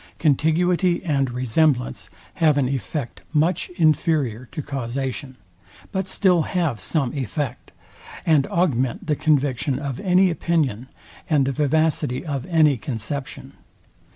Contiguity and resemblance have an effect much inferior to causation; but still have some effect, and augment the conviction of any opinion, and the vivacity of any conception.